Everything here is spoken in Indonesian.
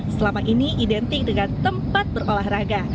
selama ini identik dengan tempat berolahraga